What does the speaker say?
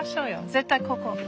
絶対ここ。